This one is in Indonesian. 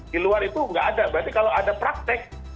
di luar itu nggak ada berarti kalau ada praktek